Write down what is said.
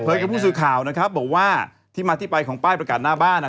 กับผู้สื่อข่าวนะครับบอกว่าที่มาที่ไปของป้ายประกาศหน้าบ้านอ่ะ